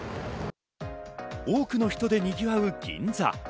多くの人でにぎわう銀座。